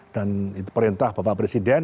dan itu perintah bapak presiden